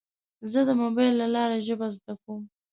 زه د موبایل له لارې ژبه زده کوم.